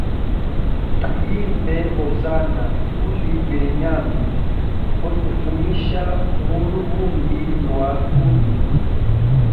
Tu yimbe Ozana uli vilyenyambi gotufumisha muluvumbi lwa bubi.